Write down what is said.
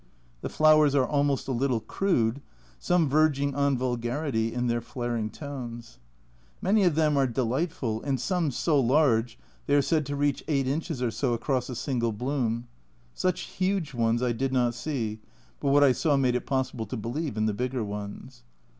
The flowers are almost a little crude, some verging on vulgarity in their flaring tones. Many of them are delightful, and some so large they are said to reach 8 inches or so across a single bloom ; such huge ones I did not see, but what I saw made it possible to believe in the bigger ones.